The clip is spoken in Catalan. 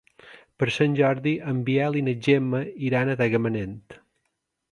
Per Sant Jordi en Biel i na Gemma iran a Tagamanent.